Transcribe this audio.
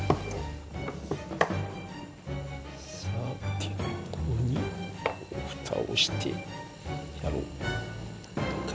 さてここにふたをしてやろうかな。